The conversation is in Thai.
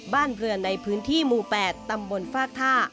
บ้านเรือนในพื้นที่หมู่๘ตำบลฟากท่า